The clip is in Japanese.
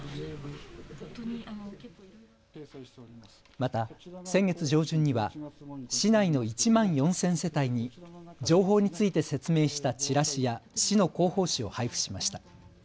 また、先月上旬には市内の１万４０００世帯に情報について説明したチラシや市の広報誌を配布しました。